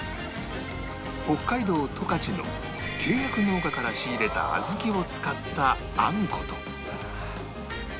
北海道十勝の契約農家から仕入れた小豆を使ったあんこと